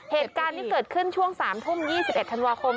เหตุการณ์นี้เกิดขึ้นช่วง๓ทุ่ม๒๑ธันวาคม